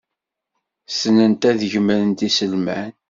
Ssnent ad gemrent iselman.